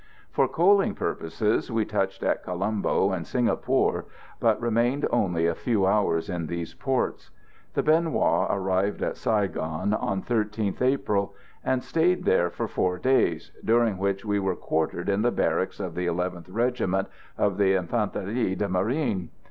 For coaling purposes we touched at Colombo and Singapore, but remained only a few hours in these ports. The Bien Hoa arrived at Saigon on 13th April, and stayed there for four days, during which we were quartered in the barracks of the 11th Regiment of the Infanterie de Marine.